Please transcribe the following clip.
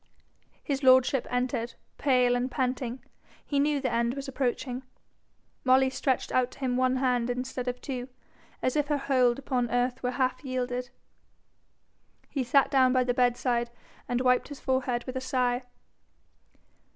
His lordship entered, pale and panting. He knew the end was approaching. Molly stretched out to him one hand instead of two, as if her hold upon earth were half yielded. He sat down by the bedside, and wiped his forehead with a sigh.